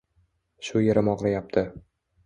Shu yerim og'riyapti.